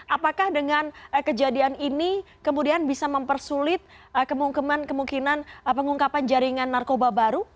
apakah dengan kejadian ini kemudian bisa mempersulit kemungkinan kemungkinan pengungkapan jaringan narkoba baru